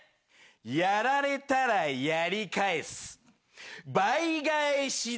やられたらやり返す倍返しだ。